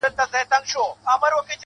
• اوس يې ياري كومه ياره مـي ده.